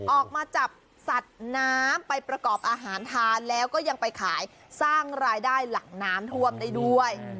ออกมาจับสัตว์น้ำไปประกอบอาหารทานแล้วก็ยังไปขายสร้างรายได้หลังน้ำท่วมได้ด้วย